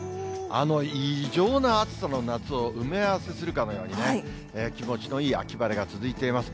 異常な暑さの夏を埋め合わせするかのようにね、気持ちのいい秋晴れが続いています。